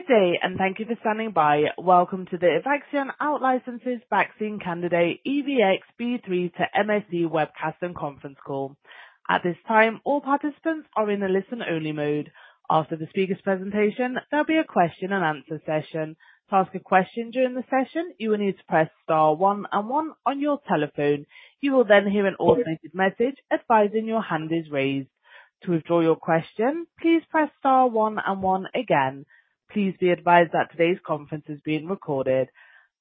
Good day, and thank you for standing by. Welcome to the Evaxion Out-Licenses Vaccine Candidate EVX-B3 to MSD webcast and conference call. At this time, all participants are in the listen-only mode. After the speaker's presentation, there'll be a question-and-answer session. To ask a question during the session, you will need to press star one and one on your telephone. You will then hear an automated message advising your hand is raised. To withdraw your question, please press star one and one again. Please be advised that today's conference is being recorded.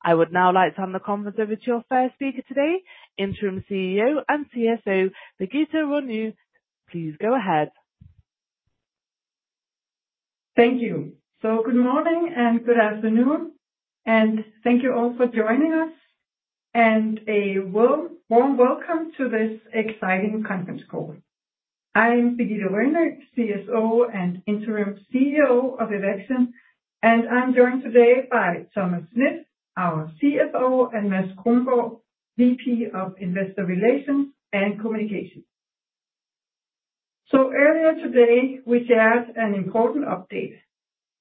I would now like to hand the conference over to your first speaker today, Interim CEO and CSO, Birgitte Rønø. Please go ahead. Thank you. Good morning and good afternoon, and thank you all for joining us, and a warm welcome to this exciting conference call. I'm Birgitte Rønø, CSO and Interim CEO of Evaxion, and I'm joined today by Thomas Schmidt, our CFO, and Ms. Kronborg, VP of Investor Relations and Communication. Earlier today, we shared an important update.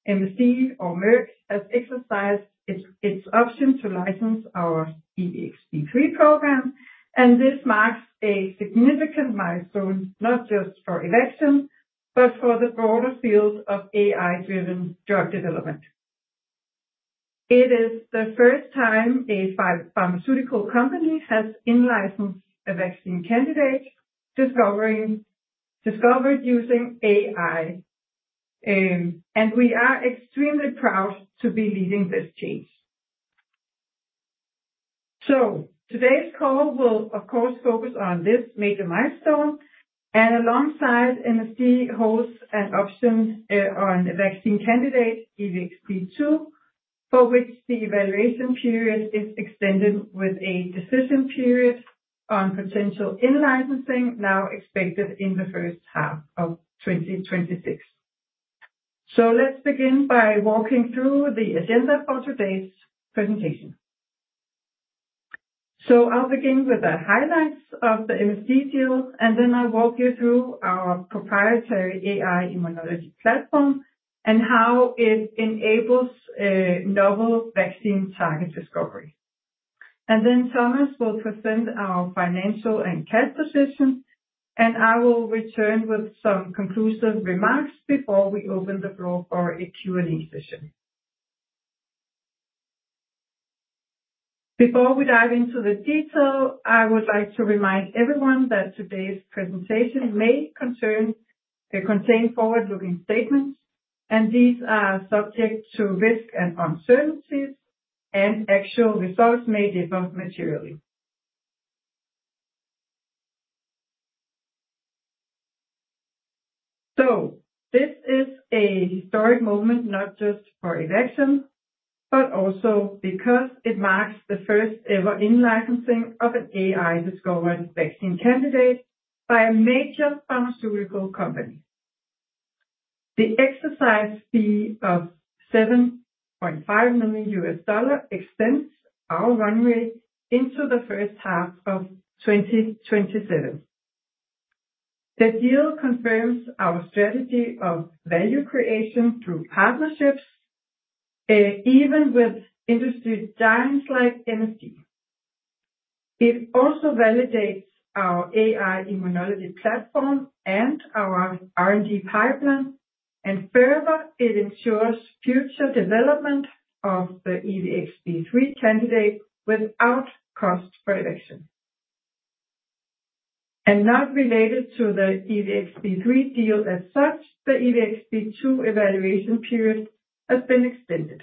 MSD, or Merck, has exercised its option to license our EVX-B3 program, and this marks a significant milestone not just for Evaxion, but for the broader field of AI-driven drug development. It is the first time a pharmaceutical company has in-licensed a vaccine candidate discovered using AI, and we are extremely proud to be leading this change. Today's call will, of course, focus on this major milestone, and alongside, MSD holds an option on a vaccine candidate, EVX-B2, for which the evaluation period is extended with a decision period on potential in-licensing now expected in the first half of 2026. Let's begin by walking through the agenda for today's presentation. I'll begin with the highlights of the MSD deal, and then I'll walk you through our proprietary AI-Immunology platform and how it enables novel vaccine target discovery. Then Thomas will present our financial and cash position, and I will return with some conclusive remarks before we open the floor for a Q&A session. Before we dive into the detail, I would like to remind everyone that today's presentation may contain forward-looking statements, and these are subject to risk and uncertainties, and actual results may differ materially. This is a historic moment not just for Evaxion, but also because it marks the first-ever in-licensing of an AI-discovered vaccine candidate by a major pharmaceutical company. The exercise fee of $7.5 million extends our runway into the first half of 2027. The deal confirms our strategy of value creation through partnerships, even with industry giants like MSD. It also validates our AI-Immunology platform and our R&D pipeline, and further, it ensures future development of the EVX-B3 candidate without cost for Evaxion. Not related to the EVX-B3 deal as such, the EVX-B2 evaluation period has been extended.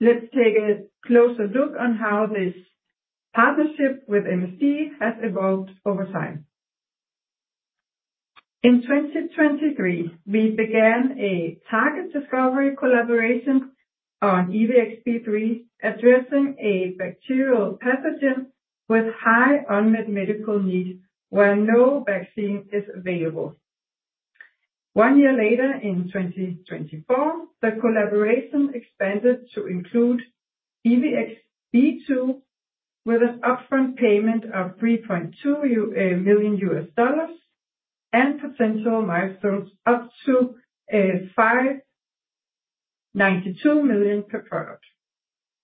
Let's take a closer look on how this partnership with MSD has evolved over time. In 2023, we began a target discovery collaboration on EVX-B3, addressing a bacterial pathogen with high unmet medical needs where no vaccine is available. One year later, in 2024, the collaboration expanded to include EVX-B2 with an upfront payment of $3.2 million and potential milestones up to $592 million per product,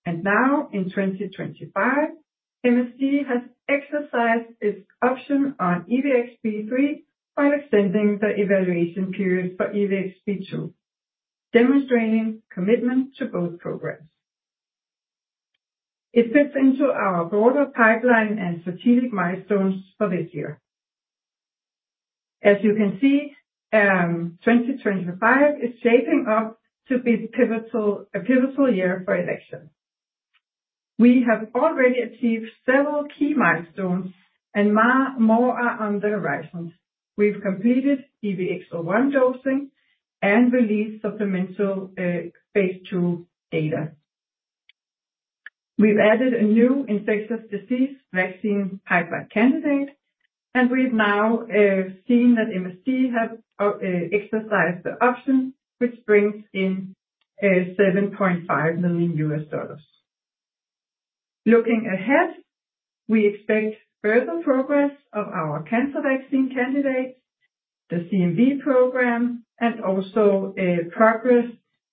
and now, in 2025, MSD has exercised its option on EVX-B3 while extending the evaluation period for EVX-B2, demonstrating commitment to both programs. It fits into our broader pipeline and strategic milestones for this year. As you can see, 2025 is shaping up to be a pivotal year for Evaxion. We have already achieved several key milestones, and more are on the horizon. We've completed EVX-01 dosing and released supplemental Phase 2 data. We've added a new infectious disease vaccine pipeline candidate, and we've now seen that MSD has exercised the option, which brings in $7.5 million. Looking ahead, we expect further progress of our cancer vaccine candidates, the CMV program, and also progress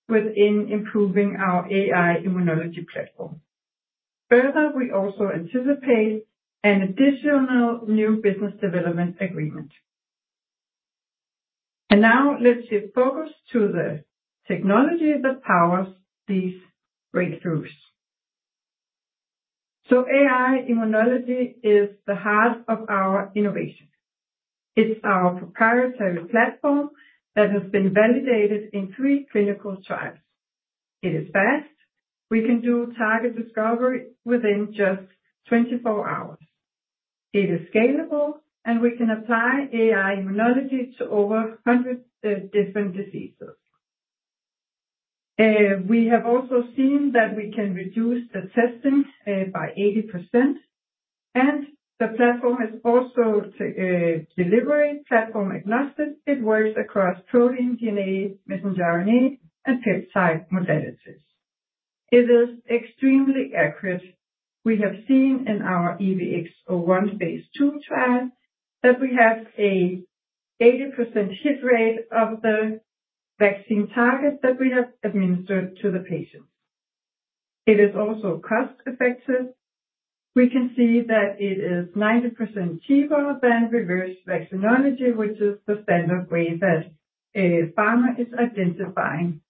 within improving our AI-Immunology platform. Further, we also anticipate an additional new business development agreement. Now let's shift focus to the technology that powers these breakthroughs. AI-Immunology is the heart of our innovation. It's our proprietary platform that has been validated in three clinical trials. It is fast. We can do target discovery within just 24 hours. It is scalable, and we can apply AI-Immunology to over 100 different diseases. We have also seen that we can reduce the testing by 80%, and the platform is also delivery platform agnostic. It works across protein, DNA, messenger RNA, and peptide modalities. It is extremely accurate. We have seen in our EVX-01 Phase 2 trial that we have a 80% hit rate of the vaccine target that we have administered to the patients. It is also cost-effective. We can see that it is 90% cheaper than reverse vaccinology, which is the standard way that a pharma is identifying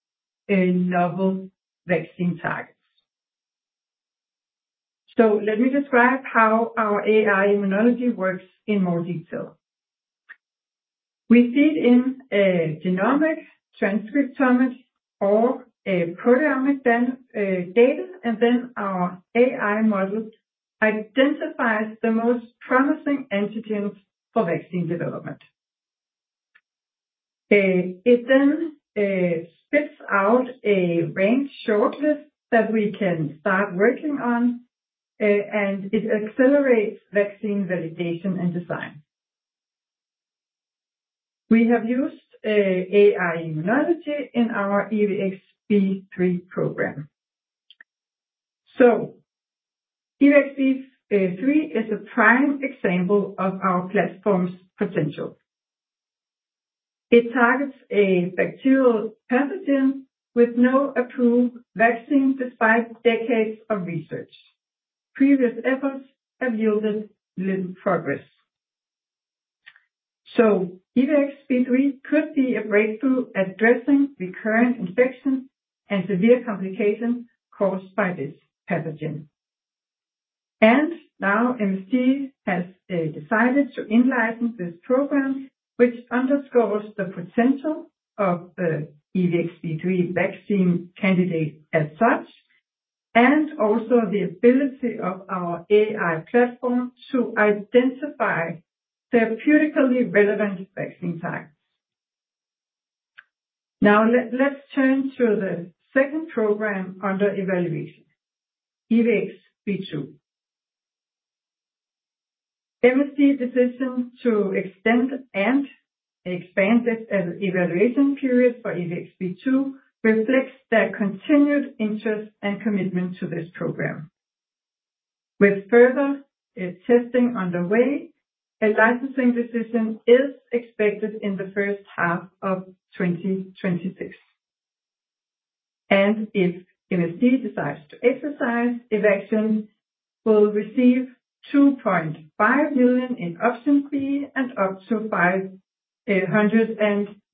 novel vaccine targets. So let me describe how our AI-Immunology works in more detail. We feed in genomic, transcriptomic, or proteomic data, and then our AI model identifies the most promising antigens for vaccine development. It then spits out a range shortlist that we can start working on, and it accelerates vaccine validation and design. We have used AI-Immunology in our EVX-B3 program. EVX-B3 is a prime example of our platform's potential. It targets a bacterial pathogen with no approved vaccine despite decades of research. Previous efforts have yielded little progress. EVX-B3 could be a breakthrough addressing recurrent infections and severe complications caused by this pathogen. Now MSD has decided to in-license this program, which underscores the potential of the EVX-B3 vaccine candidate as such, and also the ability of our AI platform to identify therapeutically relevant vaccine targets. Now let's turn to the second program under evaluation, EVX-B2. MSD's decision to extend and expand this evaluation period for EVX-B2 reflects their continued interest and commitment to this program. With further testing underway, a licensing decision is expected in the first half of 2026. If MSD decides to exercise, Evaxion, we'll receive $2.5 million in option fee and up to $592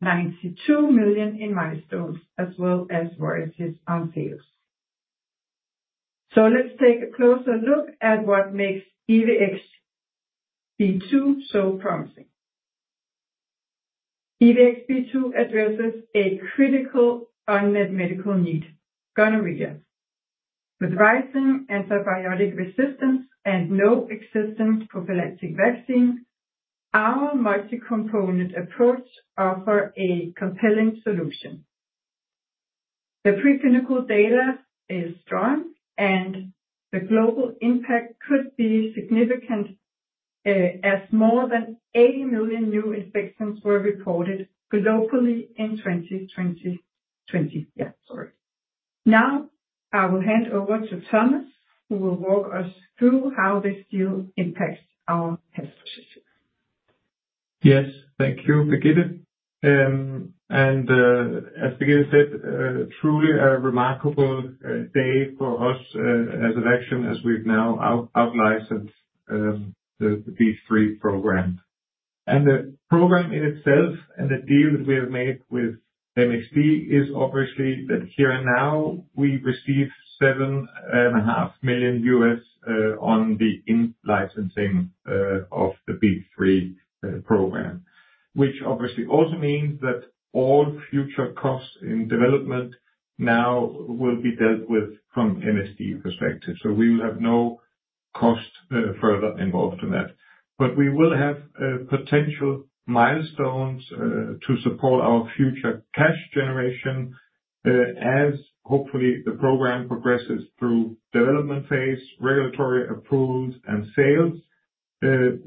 million in milestones, as well as royalties on sales. Let's take a closer look at what makes EVX-B2 so promising. EVX-B2 addresses a critical unmet medical need: gonorrhea. With rising antibiotic resistance and no existing prophylactic vaccine, our multi-component approach offers a compelling solution. The preclinical data is strong, and the global impact could be significant, as more than 80 million new infections were reported globally in 2020. Yeah, sorry. Now I will hand over to Thomas, who will walk us through how this deal impacts our cash position. Yes, thank you, Birgitte. As Birgitte said, truly a remarkable day for us as Evaxion, as we've now out-license the B3 program. The program in itself and the deal that we have made with MSD is obviously that here and now we receive $7.5 million on the in-licensing of the B3 program, which obviously also means that all future costs in development now will be dealt with from MSD perspective. We will have no cost further involved in that. But we will have potential milestones to support our future cash generation, as hopefully the program progresses through development phase, regulatory approvals, and sales,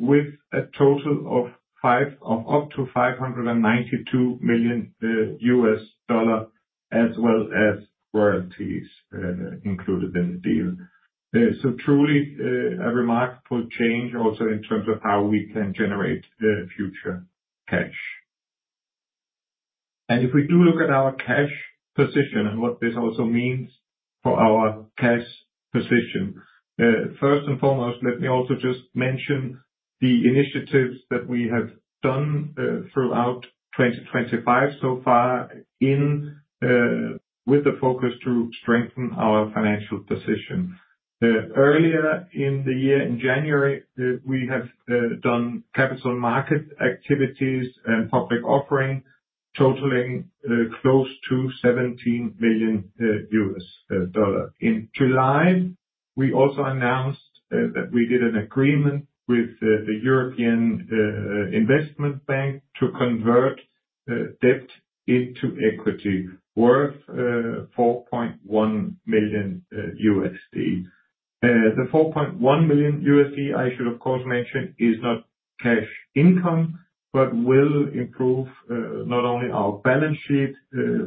with a total of up to $592 million, as well as royalties included in the deal. So truly a remarkable change also in terms of how we can generate future cash. If we do look at our cash position and what this also means for our cash position, first and foremost, let me also just mention the initiatives that we have done throughout 2025 so far with the focus to strengthen our financial position. Earlier in the year, in January, we have done capital market activities and public offering, totaling close to $17 million. In July, we also announced that we did an agreement with the European Investment Bank to convert debt into equity worth $4.1 million. The $4.1 million, I should, of course, mention, is not cash income, but will improve not only our balance sheet,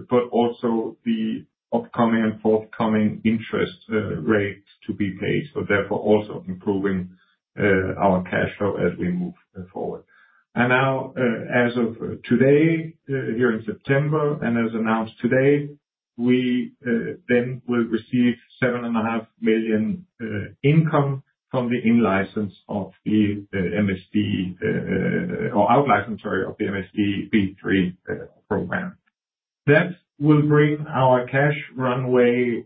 but also the upcoming and forthcoming interest rates to be paid, therefore, also improving our cash flow as we move forward. Now, as of today, here in September, and as announced today, we then will receive $7.5 million income from the in-license of the MSD or out-licensed, sorry, of the MSD B3 program. That will bring our cash runway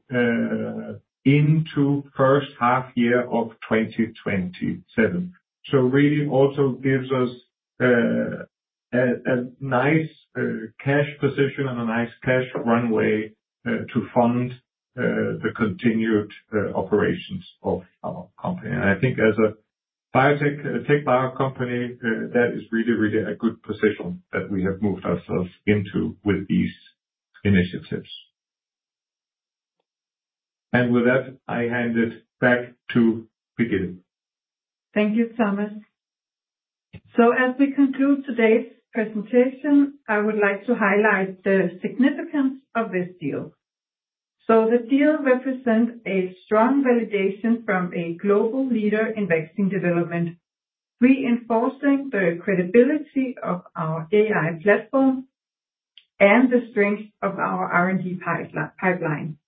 into the first half year of 2027. So really also gives us a nice cash position and a nice cash runway to fund the continued operations of our company. I think as a biotech TechBio company, that is really, really a good position that we have moved ourselves into with these initiatives. With that, I hand it back to Birgitte. Thank you, Thomas. So as we conclude today's presentation, I would like to highlight the significance of this deal. The deal represents a strong validation from a global leader in vaccine development, reinforcing the credibility of our AI platform and the strength of our R&D pipeline.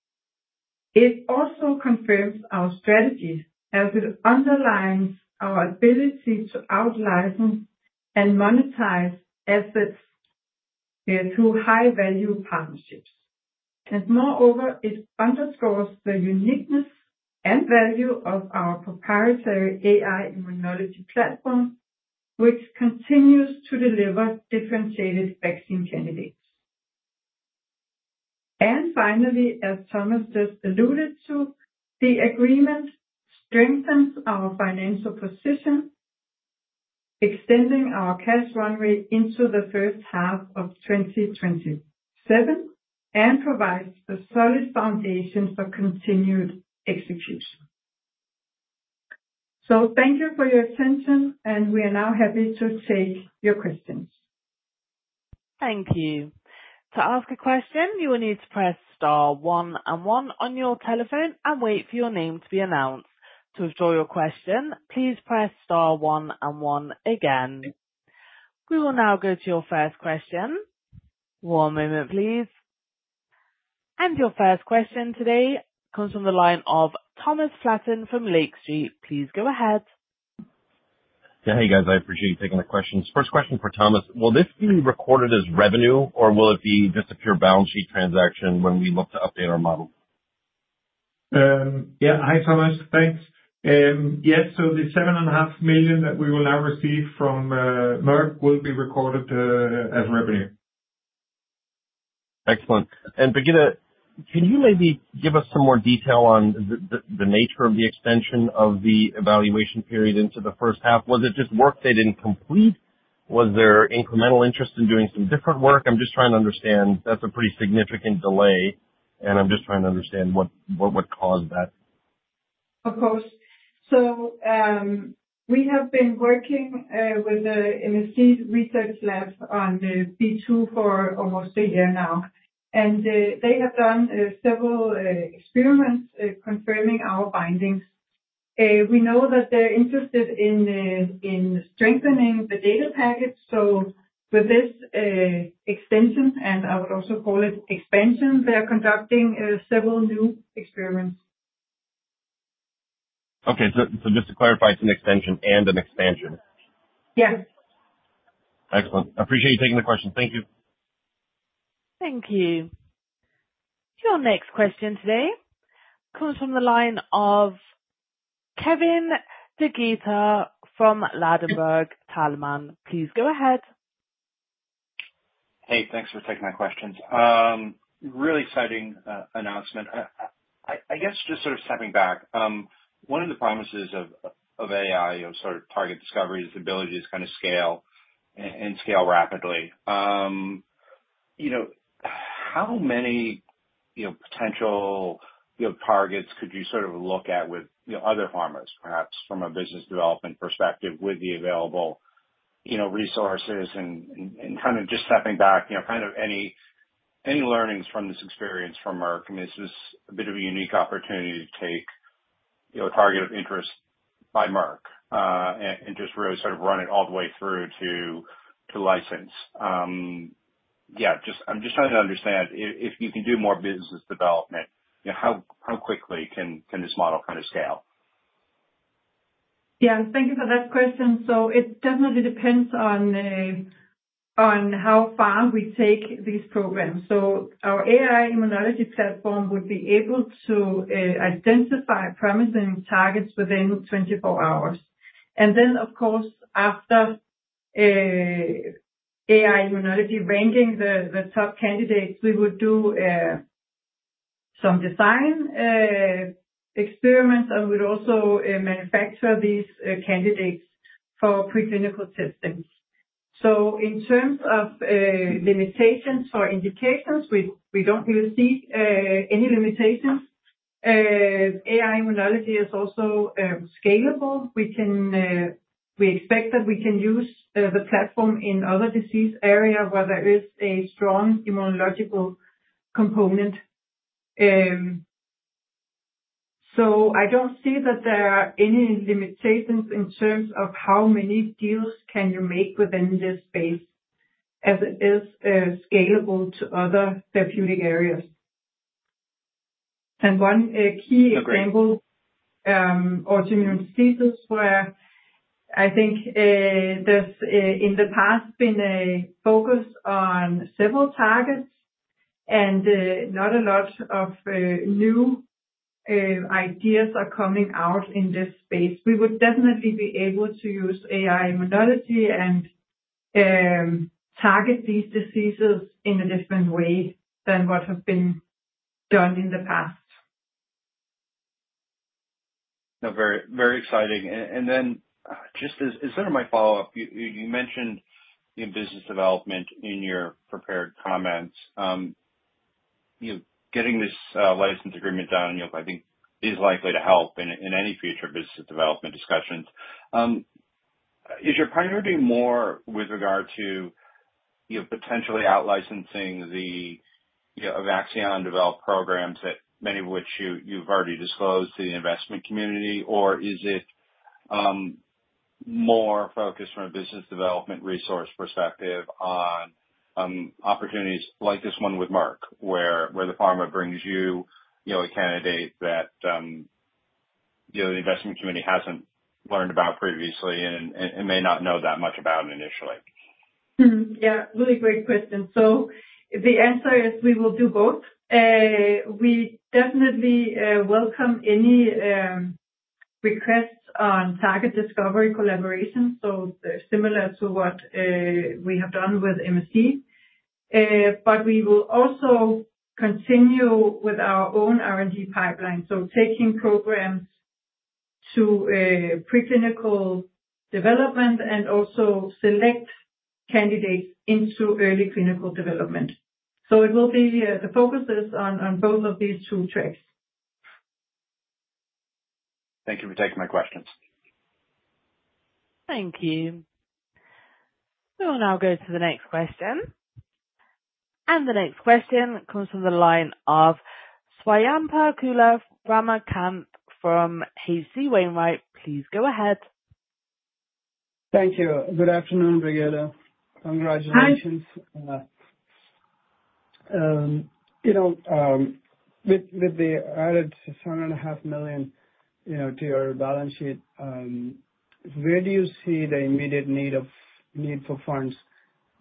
It also confirms our strategy as it underlines our ability to out-licensed and monetize assets through high-value partnerships. Moreover, it underscores the uniqueness and value of our proprietary AI-Immunology platform, which continues to deliver differentiated vaccine candidates. Finally, as Thomas just alluded to, the agreement strengthens our financial position, extending our cash runway into the first half of 2027 and provides a solid foundation for continued execution. Thank you for your attention, and we are now happy to take your questions. Thank you. To ask a question, you will need to press star one and one on your telephone and wait for your name to be announced. To withdraw your question, please press star one and one again. We will now go to your first question. One moment, please. Your first question today comes from the line of Thomas Flaten from Lake Street. Please go ahead. Yeah, hey guys, I appreciate you taking the questions. First question for Thomas. Will this be recorded as revenue, or will it be just a pure balance sheet transaction when we look to update our model? Yeah, hi Thomas, thanks. Yes, so the $7.5 million that we will now receive from Merck will be recorded as revenue. Excellent. And Birgitte, can you maybe give us some more detail on the nature of the extension of the evaluation period into the first half? Was it just work they didn't complete? Was there incremental interest in doing some different work? I'm just trying to understand. That's a pretty significant delay, and I'm just trying to understand what caused that. Of course. We have been working with the MSD Research Lab on the B2 for almost a year now, and they have done several experiments confirming our bindings. We know that they're interested in strengthening the data package. With this extension, and I would also call it expansion, they're conducting several new experiments. Okay. So just to clarify, it's an extension and an expansion? Yes. Excellent. I appreciate you taking the question. Thank you. Thank you. Your next question today comes from the line of Kevin DeGeeter from Ladenburg Thalmann. Please go ahead. Hey, thanks for taking my questions. Really exciting announcement. I guess just sort of stepping back, one of the promises of AI, or sort of target discovery, is the ability to kind of scale and scale rapidly. How many potential targets could you sort of look at with other pharmas, perhaps from a business development perspective, with the available resources and kind of just stepping back, kind of any learnings from this experience from Merck? I mean, this is a bit of a unique opportunity to take a target of interest by Merck and just really sort of run it all the way through to license. Yeah, I'm just trying to understand if you can do more business development, how quickly can this model kind of scale? Yeah, thank you for that question. It definitely depends on how far we take these programs. Our AI-Immunology platform would be able to identify promising targets within 24 hours. Then, of course, after AI-Immunology ranking the top candidates, we would do some design experiments, and we'd also manufacture these candidates for preclinical testing. In terms of limitations or indications, we don't really see any limitations. AI-Immunology is also scalable. We expect that we can use the platform in other disease areas where there is a strong immunological component. I don't see that there are any limitations in terms of how many deals can you make within this space as it is scalable to other therapeutic areas. One key example, autoimmune diseases, where I think there's in the past been a focus on several targets, and not a lot of new ideas are coming out in this space. We would definitely be able to use AI-Immunology and target these diseases in a different way than what has been done in the past. Very exciting. Just as sort of my follow-up, you mentioned business development in your prepared comments. Getting this license agreement done, I think is likely to help in any future business development discussions. Is your priority more with regard to potentially outlicensing the Evaxion developed programs, many of which you've already disclosed to the investment community, or is it more focused from a business development resource perspective on opportunities like this one with Merck, where the pharma brings you a candidate that the investment community hasn't learned about previously and may not know that much about initially? Yeah, really great question. The answer is we will do both. We definitely welcome any requests on target discovery collaboration, similar to what we have done with MSD. But we will also continue with our own R&D pipeline, taking programs to preclinical development and also select candidates into early clinical development. It will be the focus is on both of these two tracks. Thank you for taking my questions. Thank you. We will now go to the next question. The next question comes from the line of Swayampakula Ramakanth from H.C. Wainwright. Please go ahead. Thank you. Good afternoon, Birgitte. Congratulations. With the added $7.5 million to your balance sheet, where do you see the immediate need for funds?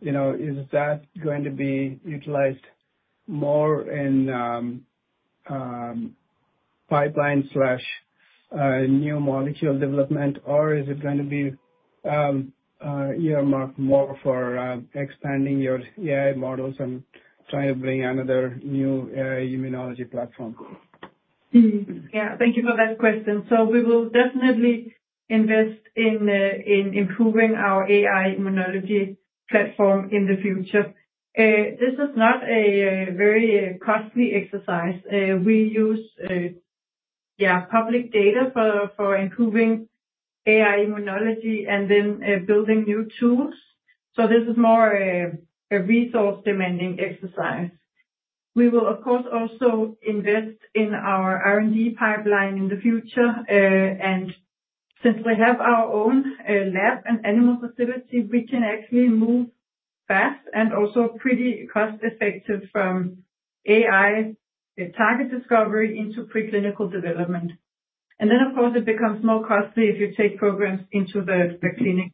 Is that going to be utilized more in pipeline/new molecule development, or is it going to be earmarked more for expanding your AI models and trying to bring another new AI-Immunology platform? Yeah, thank you for that question. We will definitely invest in improving our AI-Immunology platform in the future. This is not a very costly exercise. We use, yeah, public data for improving AI-Immunology and then building new tools. This is more a resource-demanding exercise. We will, of course, also invest in our R&D pipeline in the future, and since we have our own lab and animal facility, we can actually move fast and also pretty cost-effective from AI target discovery into preclinical development. Of course, it becomes more costly if you take programs into the clinic.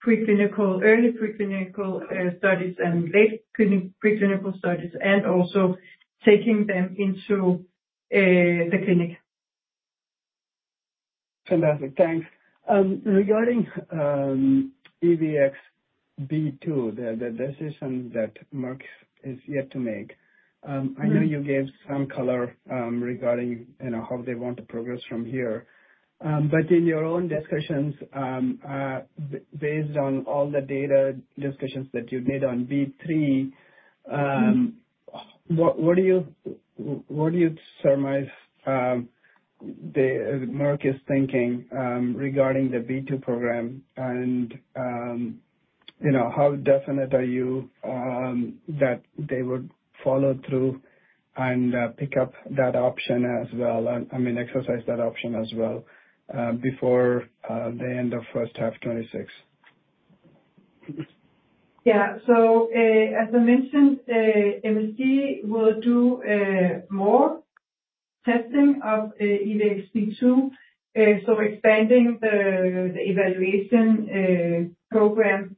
Ambition of it actually is to continue to do early preclinical studies and late preclinical studies, and also taking them into the clinic. Fantastic. Thanks. Regarding EVX-B2, the decision that Merck is yet to make, I know you gave some color regarding how they want to progress from here. But in your own discussions, based on all the data discussions that you did on B3, what do you surmise Merck is thinking regarding the B2 program? How definite are you that they would follow through and pick up that option as well, I mean, exercise that option as well before the end of first half 2026? Yeah. So as I mentioned, MSD will do more testing of EVX-B2, so expanding the evaluation program.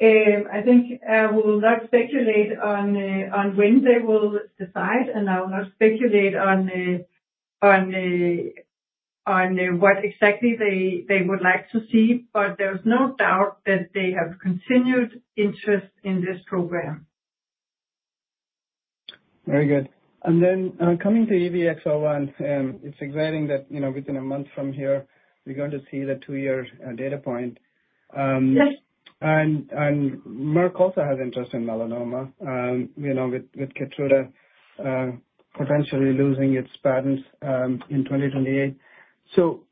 I think I will not speculate on when they will decide, and I will not speculate on what exactly they would like to see. But there's no doubt that they have continued interest in this program. Very good. Coming to EVX-01, it's exciting that within a month from here, we're going to see the two-year data point. Merck also has interest in melanoma with Keytruda potentially losing its patents in 2028. Do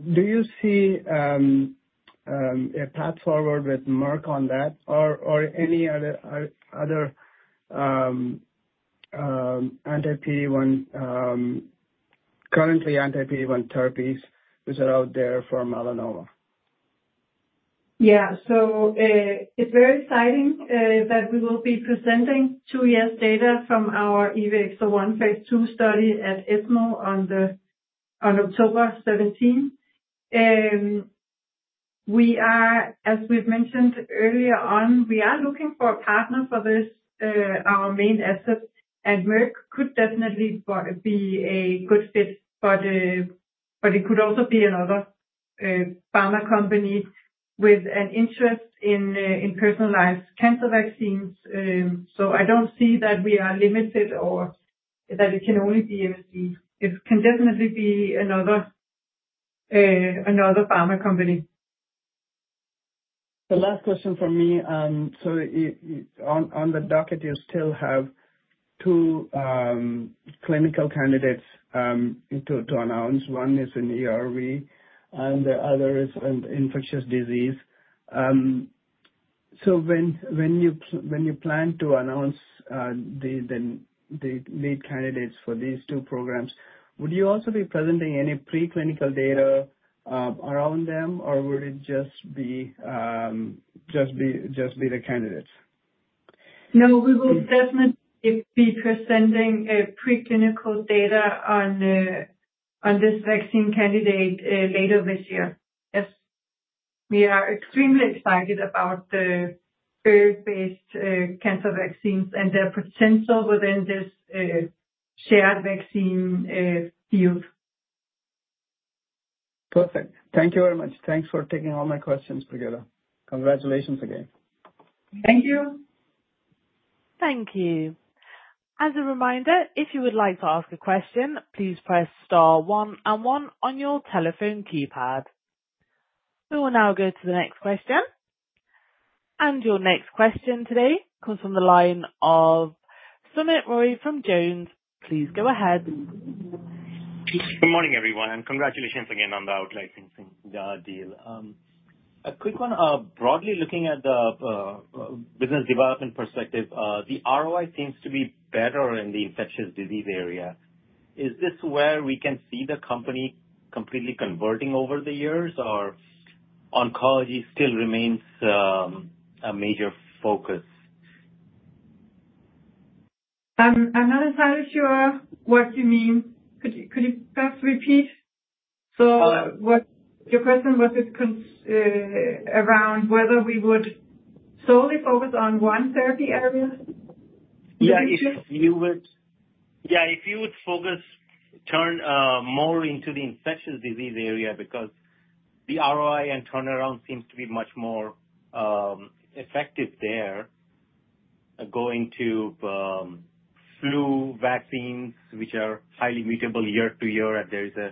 you see a path forward with Merck on that or any other currently anti-PD-1 therapies which are out there for melanoma? Yeah, so it's very exciting that we will be presenting two-year data from our EVX-01 Phase 2 study at ESMO on October 17. As we've mentioned earlier on, we are looking for a partner for this, our main asset, and Merck could definitely be a good fit. But it could also be another pharma company with an interest in personalized cancer vaccines. I don't see that we are limited or that it can only be MSD. It can definitely be another pharma company. The last question for me. On the docket, you still have two clinical candidates to announce. One is an ERV, and the other is an infectious disease. So when you plan to announce the lead candidates for these two programs, would you also be presenting any preclinical data around them, or would it just be the candidates? No, we will definitely be presenting preclinical data on this vaccine candidate later this year. Yes. We are extremely excited about the ERV-based cancer vaccines and their potential within this shared vaccine field. Perfect. Thank you very much. Thanks for taking all my questions, Birgitte. Congratulations again. Thank you. Thank you. As a reminder, if you would like to ask a question, please press star one and one on your telephone keypad. We will now go to the next question, and your next question today comes from the line of Soumit Roy from JonesTrading. Please go ahead. Good morning, everyone. Congratulations again on the outlicensing deal. A quick one. Broadly looking at the business development perspective, the ROI seems to be better in the infectious disease area. Is this where we can see the company completely converting over the years, or oncology still remains a major focus? I'm not entirely sure what you mean. Could you perhaps repeat? Your question was around whether we would solely focus on one therapy area? Yeah. If you would focus more into the infectious disease area because the ROI and turnaround seems to be much more effective there. Going to flu vaccines, which are highly mutable year to year, and there is a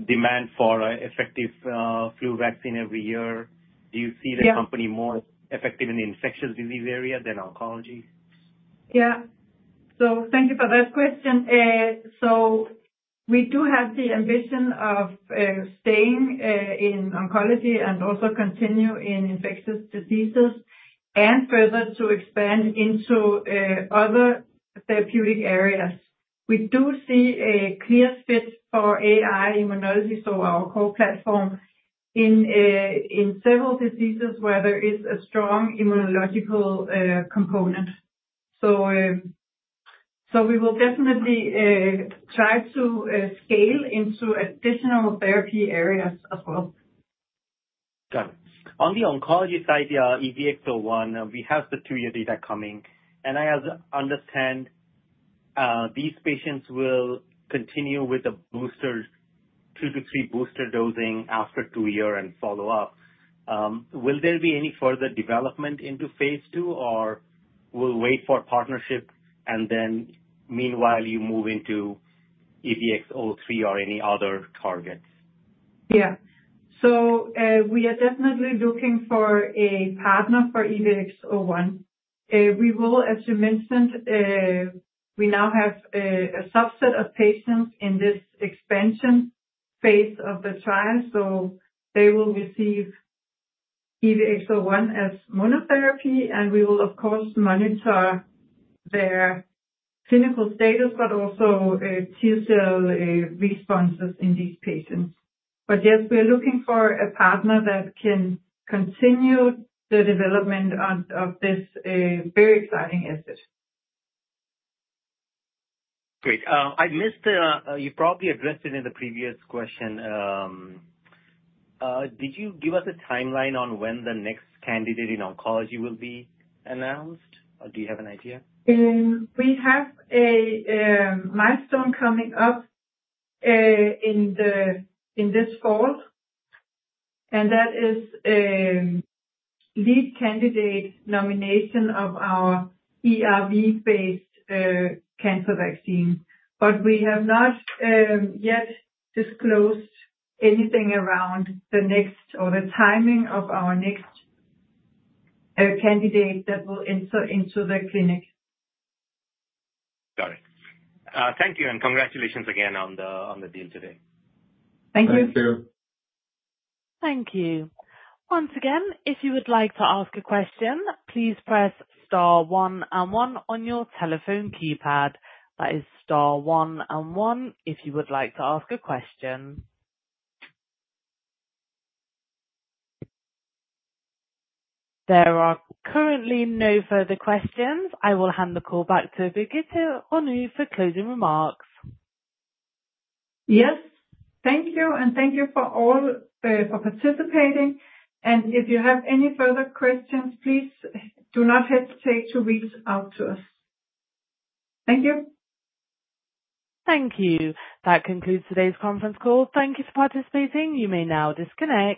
demand for an effective flu vaccine every year. Do you see the company more effective in the infectious disease area than oncology? Yeah. Thank you for that question. We do have the ambition of staying in oncology and also continue in infectious diseases and further to expand into other therapeutic areas. We do see a clear fit for AI-Immunology, so our core platform, in several diseases where there is a strong immunological component. We will definitely try to scale into additional therapy areas as well. Got it. On the oncology side, EVX-01, we have the two-year data coming. I understand these patients will continue with the two to three booster dosing after two years and follow up. Will there be any further development into Phase 2, or will we wait for partnership, and then meanwhile you move into EVX-03 or any other targets? Yeah. We are definitely looking for a partner for EVX-01. We will, as you mentioned, we now have a subset of patients in this expansion phase of the trial. They will receive EVX-01 as monotherapy, and we will, of course, monitor their clinical status, but also T-cell responses in these patients. But yes, we are looking for a partner that can continue the development of this very exciting asset. Great. You probably addressed it in the previous question. Did you give us a timeline on when the next candidate in oncology will be announced, or do you have an idea? We have a milestone coming up in this fall, and that is lead candidate nomination of our ERV-based cancer vaccine. But we have not yet disclosed anything around the next or the timing of our next candidate that will enter into the clinic. Got it. Thank you. Congratulations again on the deal today. Thank you. Thank you. Thank you. Once again, if you would like to ask a question, please press star one and one on your telephone keypad. That is star one and one if you would like to ask a question. There are currently no further questions. I will hand the call back to Birgitte Rønø for closing remarks. Yes. Thank you. And thank you for participating. If you have any further questions, please do not hesitate to reach out to us. Thank you. Thank you. That concludes today's conference call. Thank you for participating. You may now disconnect.